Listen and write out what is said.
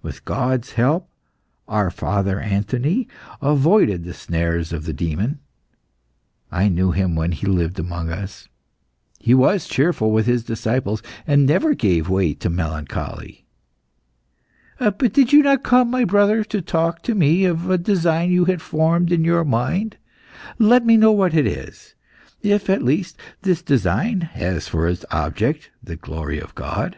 With God's help, our father Anthony avoided the snares of the demon. I knew him when he lived amongst us; he was cheerful with his disciples, and never gave way to melancholy. But did you not come, my brother, to talk to me of a design you had formed in your mind? Let me know what it is if, at least, this design has for its object the glory of God."